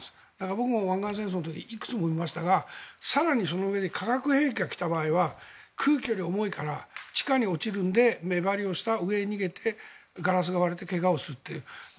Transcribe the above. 僕も湾岸戦争の時いくつも見ましたが更に、その上に化学兵器が来た場合は空気より重いから地下に落ちるので目張りをした上に逃げてガラスが割れて怪我をするという。